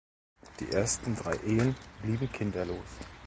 Die ersten drei Ehen blieben kinderlos.